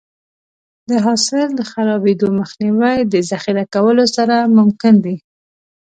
د حاصل د خرابېدو مخنیوی د ذخیره کولو سره ممکن دی.